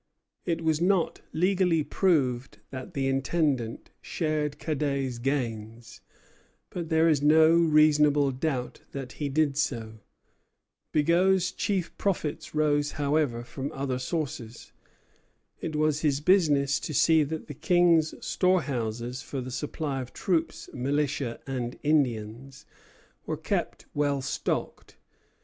It was not legally proved that the Intendant shared Cadet's gains; but there is no reasonable doubt that he did so. Bigot's chief profits rose, however, from other sources. It was his business to see that the King's storehouses for the supply of troops, militia, and Indians were kept well stocked.